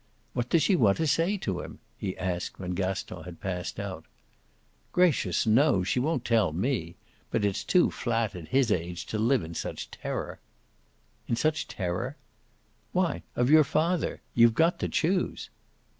"What does she want to say to him?" he asked when Gaston had passed out. "Gracious knows! She won't tell me. But it's too flat, at his age, to live in such terror." "In such terror?" "Why of your father. You've got to choose."